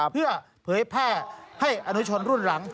เพื่อเผยแพร่ให้อนุชนรุ่นหลัง